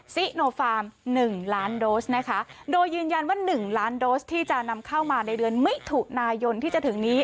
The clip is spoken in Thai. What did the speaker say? ซิโนฟาร์มหนึ่งล้านโดสนะคะโดยยืนยันว่า๑ล้านโดสที่จะนำเข้ามาในเดือนมิถุนายนที่จะถึงนี้